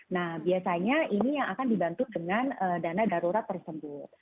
nah biasanya ini yang akan dibantu dengan dana darurat tersebut